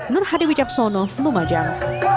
nur hadi wijaksono lumajang